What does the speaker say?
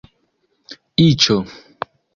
iĉo